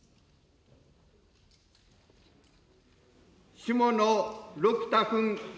下野六太君。